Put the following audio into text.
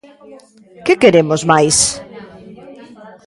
¿Que queremos máis?